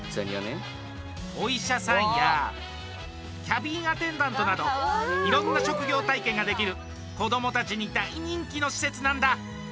お医者さんやキャビンアテンダントなどいろんな職業体験ができる子どもたちに大人気の施設なんだ。